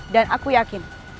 dan aku yakin